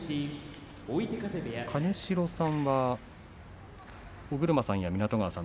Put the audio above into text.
金城さんは、尾車さん、湊川さん